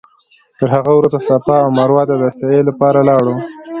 تر هغه وروسته صفا او مروه ته د سعې لپاره لاړو.